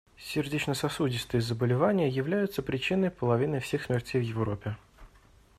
Сердечно-сосудистые заболевания являются причиной половины всех смертей в Европе.